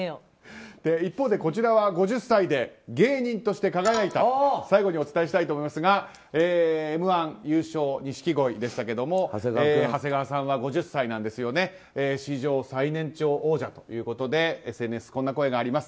一方で、こちらは５０歳で芸人として輝いた最後にお伝えしたいと思いますが「Ｍ‐１」優勝、錦鯉でしたが長谷川さんは５０歳なんですね。史上最年長王者ということでＳＮＳ、こんな声があります。